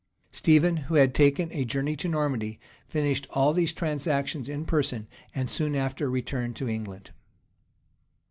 [*] Stephen, who had taken a journey to Normandy, finished all these transactions in person, and soon after returned to England.